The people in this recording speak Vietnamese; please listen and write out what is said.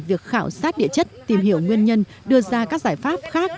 việc khảo sát địa chất tìm hiểu nguyên nhân đưa ra các giải pháp khác